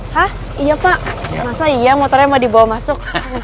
hah iya pak masa iya motornya mau dibawa masuk